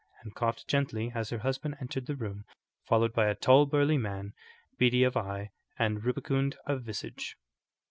and coughed gently as her husband entered the room, followed by a tall, burly man, beady of eye and rubicund of visage.